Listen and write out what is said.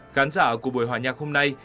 khán giả của buổi hòa nhạc hôm nay